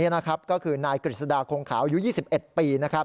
๔นายกฤษฎาโครงขาวอายุ๒๑ปี